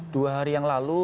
dua hari yang lalu